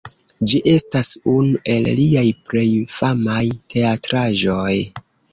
Ĝi estas unu el liaj plej famaj teatraĵoj.